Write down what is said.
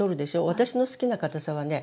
私の好きなかたさはね